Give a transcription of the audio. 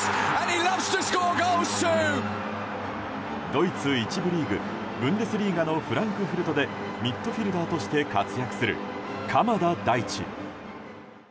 ドイツ１部リーグブンデスリーガのフランクフルトでミッドフィールダーとして活躍する鎌田大地。